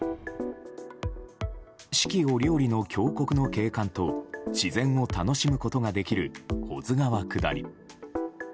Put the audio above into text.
四季折々の峡谷の景観と自然を楽しむことができる保津川下り。